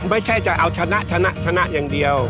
ไม่ใช่จะเอาชนะอย่างเดียว